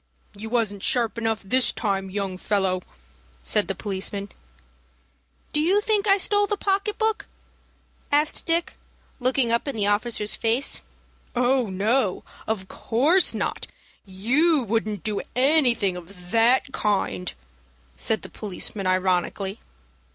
"You wasn't sharp enough this time, young fellow," said the policeman. "Do you think I stole the pocket book?" asked Dick, looking up in the officer's face. "Oh, no, of course not! You wouldn't do anything of that kind," said the policeman, ironically.